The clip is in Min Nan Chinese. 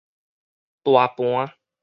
大盤